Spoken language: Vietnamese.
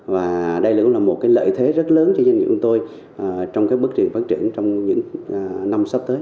và đây cũng là một lợi thế rất lớn cho doanh nghiệp của tôi trong bước triển phát triển trong những năm sắp tới